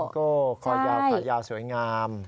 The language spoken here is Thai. ขอยาวสวยงาม